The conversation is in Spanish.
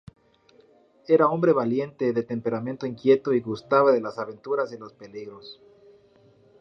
Era hombre valiente, de temperamento inquieto y gustaba de las aventuras y los peligros.